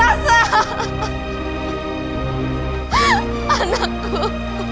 ada apa denganmu nak